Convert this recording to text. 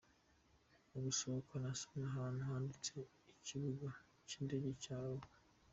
Mu gusohoka, nasomye ahantu handitse “Ikibuga cy’Indege cya Arua”.